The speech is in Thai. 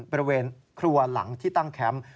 บริเวณครัวหลังที่ตั้งแคมป์